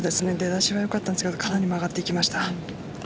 出だしはよかったんですけどかなり曲がっていきました。